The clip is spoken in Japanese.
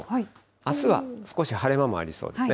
あすは少し晴れ間もありそうですね。